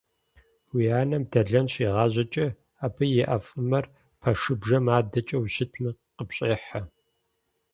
Уи анэм дэлэн щигъажьэкӀэ, абы и ӀэфӀымэр пэшыбжэм адэкӀэ ущытми къыпщӀехьэ.